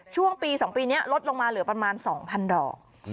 ช่วงปี๒ปีนี้ลดลงมาเหลือประมาณ๒๐๐ดอก